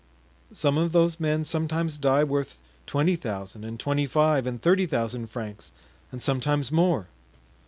"Some of those men sometimes die worth twenty thousand and twenty five and thirty thousand francs and sometimes more."